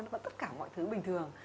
nó vẫn tất cả mọi thứ bình thường